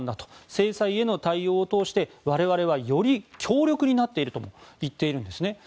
制裁への対応を通して我々はより強力になっているとも言っているんですね。